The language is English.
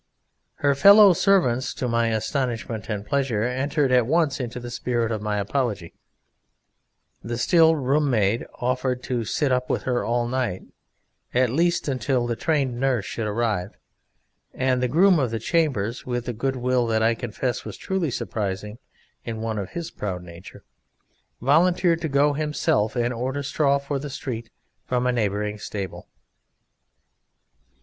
Her fellow servants, to my astonishment and pleasure, entered at once into the spirit of my apology: the still room maid offered to sit up with her all night, or at least until the trained nurse should arrive, and the groom of the chambers, with a good will that I confess was truly surprising in one of his proud nature, volunteered to go himself and order straw for the street from a neighbouring stable.